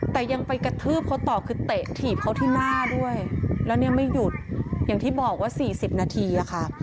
แต่ยังไปกระทืบเขาต่อคือเตะถีบเขาที่หน้าด้วยแล้วเนี่ยไม่หยุดอย่างที่บอกว่า๔๐นาทีอะค่ะ